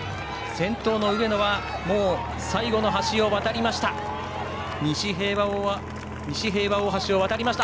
先頭の上野はもう最後の橋を渡りました。